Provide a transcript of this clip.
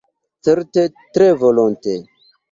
Certe, tre volonte.